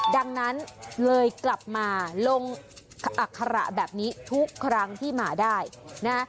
ดังนั้นเลยกลับมาลงอัคระแบบนี้ทุกครั้งที่มาได้นะ